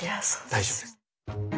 大丈夫です。